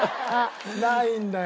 ないんだよ